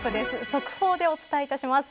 速報でお伝えいたします。